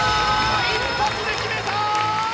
一発で決めた！